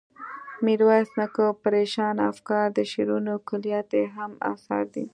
میرویس نیکه، پریشانه افکار، د شعرونو کلیات یې هم اثار دي.